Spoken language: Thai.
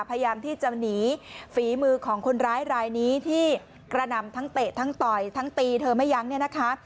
พยายามที่จะหนีฝีมือของคนร้ายรายนี้ที่กระหน่ำทั้งเตะทั้งต่อยทั้งตีเธอไม่ยั้งเนี่ยนะคะ